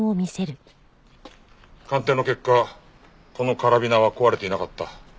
鑑定の結果このカラビナは壊れていなかった。